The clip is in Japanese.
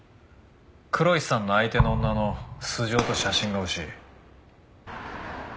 黒石さんの相手の女の素性と写真が欲しい。